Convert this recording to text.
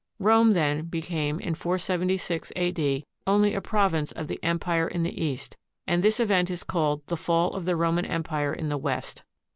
Rome, then, became in 476 A.D. only a province of the Empire in the East, and this event is called the fall of the Roman Empire in the West.